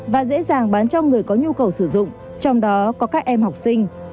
và dễ dàng bán cho người có nhu cầu sử dụng trong đó có các em học sinh